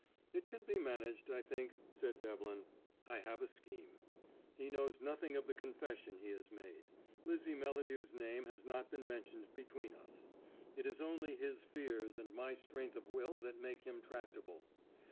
"It can be managed, I think," said Devlin. "I have a scheme. He knows nothing of the confession he has made. Lizzie Melladew's name has not been mentioned between us. It is only his fears and my strength of will that make him tractable.